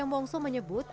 yang bongso menyebut